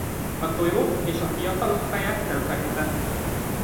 A tojó és a fiatalok feje nem fekete.